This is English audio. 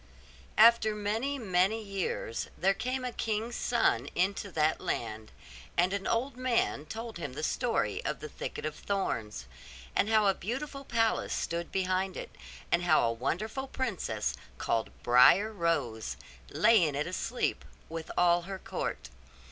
After many, many years there came a king's son into that land: and an old man told him the story of the thicket of thorns; and how a beautiful palace stood behind it, and how a wonderful princess, called Briar Rose, lay in it asleep, with all her court.